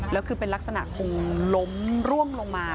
แล้วคือเป็นลักษณะคงล้มร่วงลงมา